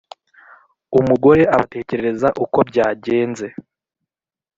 umugore abatekerereza uko byagenze,